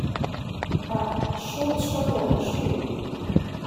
A "short struggle ensued".